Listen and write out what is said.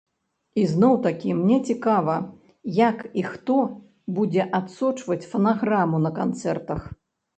І зноў-такі, мне цікава як і хто будзе адсочваць фанаграму на канцэртах.